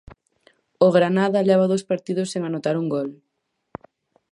O Granada leva dous partidos sen anotar un gol.